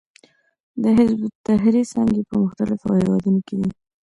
د حزب التحریر څانګې په مختلفو هېوادونو کې دي.